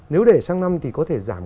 nếu để sang năm thì có thể giảm